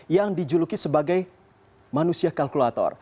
yang dijuluki sebagai manusia kalkulator